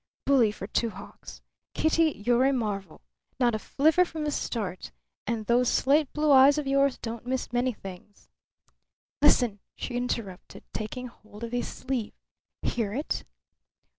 "Bully for Two Hawks! Kitty, you're a marvel. Not a flivver from the start. And those slate blue eyes of yours don't miss many things." "Listen!" she interrupted, taking hold of his sleeve. "Hear it?"